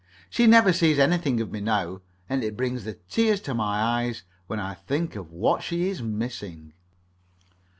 She never sees anything of me now, and it brings the tears to my eyes when I think what she is missing.